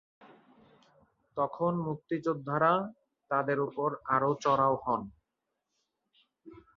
তখন মুক্তিযোদ্ধারা তাদের ওপর আরও চড়াও হন।